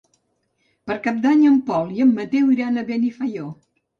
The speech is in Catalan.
Per Cap d'Any en Pol i en Mateu iran a Benifaió.